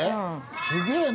すげえな。